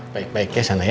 baik baik ya sana ya